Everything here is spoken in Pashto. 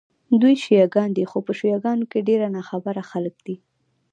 دوی شیعه ګان دي، خو په شیعه ګانو کې ډېر ناخبره خلک دي.